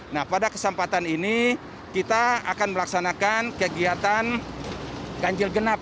nah pada kesempatan ini kita akan melaksanakan kegiatan ganjil genap